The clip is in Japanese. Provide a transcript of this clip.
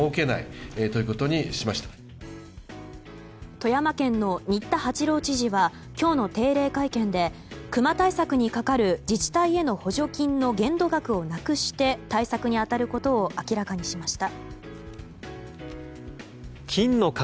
富山県の新田八朗知事は今日の定例会見でクマ対策にかかる自治体への補助金の限度額をなくして対策に当たることを明らかにしました。